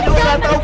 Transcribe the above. gue gak tau